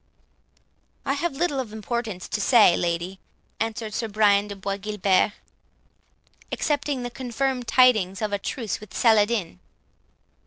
"I have little of importance to say, lady," answered Sir Brian de Bois Guilbert, "excepting the confirmed tidings of a truce with Saladin."